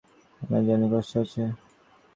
আমরা জানি কষ্ট হচ্ছে।